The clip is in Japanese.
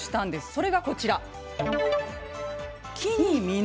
それがこちらです。